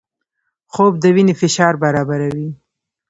خوب د وینې فشار برابروي